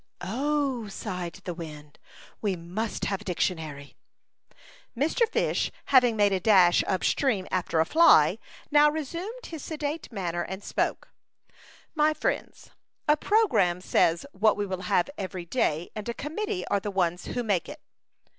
"Oh!" sighed the wind, "we must have a dictionary." Mr. Fish having made a dash up stream after a fly, now resumed his sedate manner and spoke: " My friends, a programme says what we will have every day, and a committee are the ones who make it."